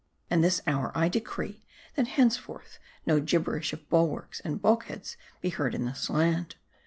And this hour I decree, that henceforth no gibberish of bulwarks and bulk heads be heard in this land.